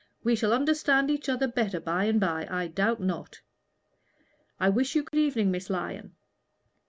"We shall understand each other better by and by, I doubt not." "I wish you good evening, Miss Lyon."